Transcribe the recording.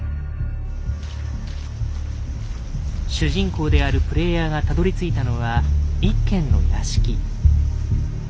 主人公であるプレイヤーがたどりついたのは一軒の屋敷。